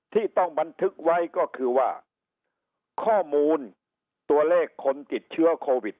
ที่ต้องบันทึกไว้ก็คือว่าข้อมูลตัวเลขคนติดเชื้อโควิด